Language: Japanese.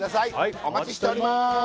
お待ちしておりまーす！